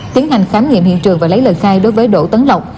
tiến hành khám nghiệm hiện trường và lấy lời khai đối với đỗ tấn lộc